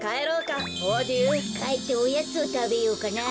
かえっておやつをたべようかな。